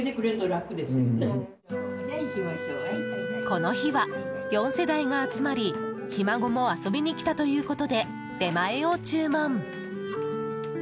この日は、４世代が集まりひ孫も遊びに来たということで出前を注文。